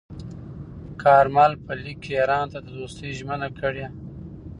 کارمل په لیک کې ایران ته د دوستۍ ژمنه کړې.